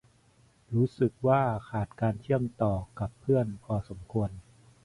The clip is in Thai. รู้สึกว่าขาดการเชื่อมต่อกับเพื่อนพอควรเลย